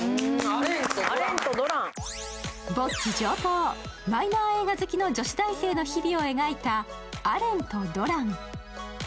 ぼっち上等、マイナー映画好きの女子大生の日々を描いた「アレンとドラン」。